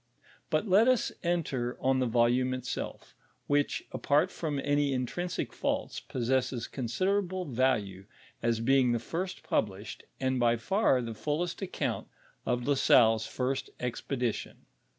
But let us enter on the volume itself, which, apart from ony intrinsic faults, possesses considerable value, as beiig the first published, and by fur the fullest account of La Salle's first ex pedition.